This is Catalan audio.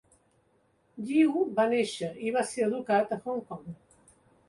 Yiu va néixer i va ser educat a Hong Kong.